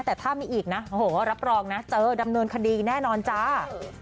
แต่ถ้ามีอีกนะโอ้โหรับรองนะเจอดำเนินคดีแน่นอนจ้า